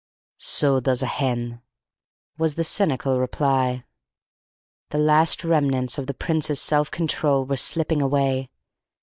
"So does a hen," was the cynical reply. The last remnants of the Prince's self control were slipping away.